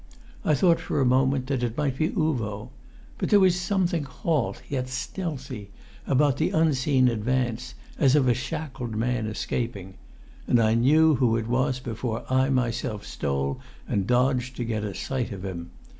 I thought for a moment that it might be Uvo; but there was something halt yet stealthy about the unseen advance, as of a shackled man escaping; and I knew who it was before I myself stole and dodged to get a sight of him.